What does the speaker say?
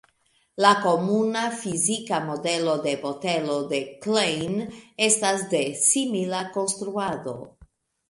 La komuna fizika modelo de botelo de Klein estas de simila konstruado.